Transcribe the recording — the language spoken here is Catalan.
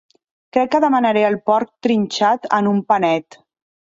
Crec que demanaré el porc trinxat en un panet.